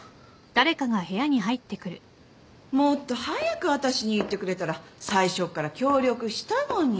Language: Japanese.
もっと早く私に言ってくれたら最初っから協力したのに。